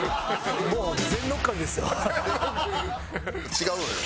違うのよ。